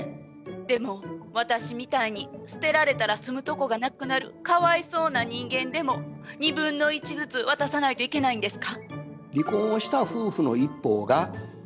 でも私みたいに捨てられたら住むとこがなくなるかわいそうな人間でも２分の１ずつ渡さないといけないんですか？